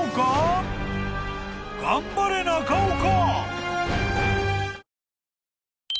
［頑張れ中岡！］